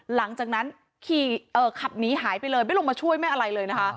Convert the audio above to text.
หลังจากนั้นขี่ขับหนีหายไปเลยไม่ลงมาช่วยไม่อะไรเลยนะคะ